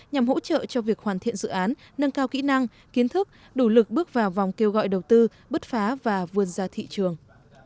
nhằm hỗ trợ cho việc hoàn thiện dự án nâng cao kỹ năng kiến thức đủ lực bước vào vòng kêu gọi đầu tư bứt phá và vươn ra thị trường